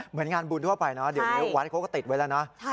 เหมือนงานบุญทั่วไปเนาะเดี๋ยววันเขาก็ติดไว้แล้วนะ